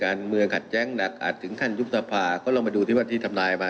การเมืองขัตท์แย้งดรักอาจถึงขั้นยุคทภาพก็ลองไปดูที่ที่ทำนายมา